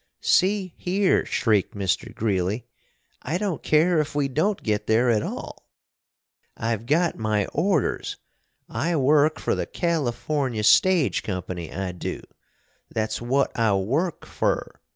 "See here!" shrieked Mr. Greeley, "I don't care if we don't get there at all." "I've got my orders! I work fer the California Stage Company, I do. That's wot I work fer.